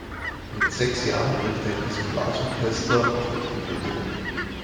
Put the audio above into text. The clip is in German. Mit sechs Jahren wirkte er in diesem Blasorchester auf der Trompete mit.